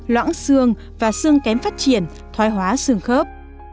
loãng xương và xương kém phát triển thoái hóa xương khớp